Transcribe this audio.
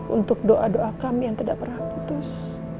untuk doa doa kami yang tidak pernah putus